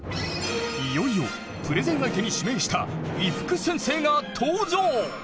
いよいよプレゼン相手に指名した伊福先生が登場！